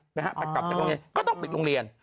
แต่กลับจากโรงเรียนก็ต้องปิดโรงเรียน